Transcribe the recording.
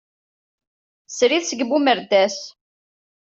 Srid seg Bumerdas.